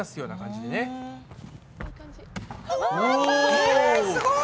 えすごい！